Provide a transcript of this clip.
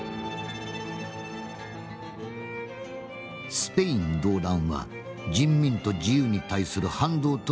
「スペイン動乱は人民と自由に対する反動との闘争である。